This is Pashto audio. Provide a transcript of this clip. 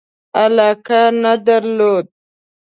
علاقه نه درلوده.